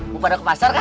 bukan ada ke pasar kan